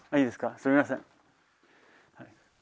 すみません。